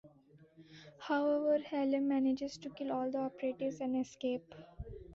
However, Hallam manages to kill all the operatives and escape.